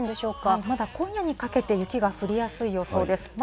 まだ今夜にかけて雪が降りやすい予想です。